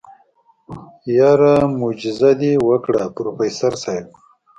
يره موجيزه دې وکړه پروفيسر صيب.